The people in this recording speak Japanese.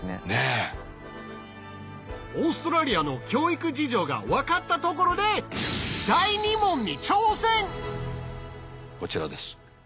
オーストラリアの教育事情が分かったところでこちらです。